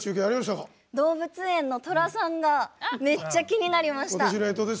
動物園のトラさんがめっちゃ気になりました。